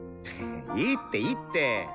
いいっていいって！